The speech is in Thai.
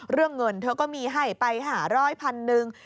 เรื่องเงินเธอก็มีให้ไป๕๐๐พันหนึ่ง